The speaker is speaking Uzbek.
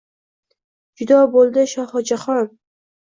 Judo bo’ldi Shohi Jahon —